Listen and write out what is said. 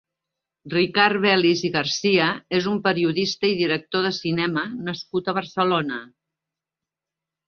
Ricard Belis i Garcia és un periodista i director de cinema nascut a Barcelona.